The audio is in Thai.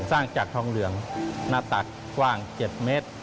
สร้างจากทองเหลืองหน้าตักกว้าง๗เมตร